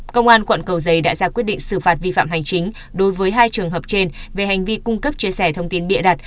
công an quận cầu giấy đã ra quyết định xử phạt vi phạm hành chính đối với hai trường hợp trên về hành vi cung cấp chia sẻ thông tin bịa đặt